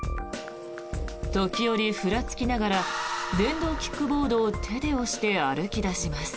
時折、ふらつきながら電動キックボードを手で押して歩き出します。